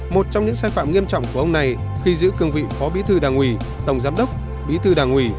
một trong những sai phạm nghiêm trọng của ông này khi giữ cương vị phó bí thư đảng ủy tổng giám đốc bí thư đảng ủy